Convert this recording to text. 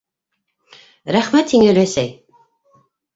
Рәхмәт һиңә, өләсәй!